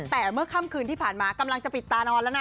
แต่เมื่อค่ำคืนที่ผ่านมากำลังจะปิดตานอนแล้วนะ